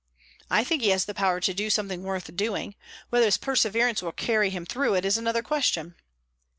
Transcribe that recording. "I think he has the power to do something worth doing. Whether his perseverance will carry him through it, is another question."